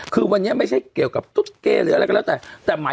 คือวันนี้ไม่ใช่เกี่ยวกับตุ๊สเกย์หรืออะไรก็แล้วแต่แต่หมาย